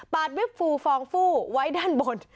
ปาดวิบฟูฟองฟู่ไว้ด้านบน